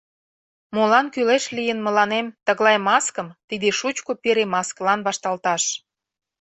Молан кӱлеш лийын мыланем тыглай маскым тиде шучко пире маскылан вашталташ?..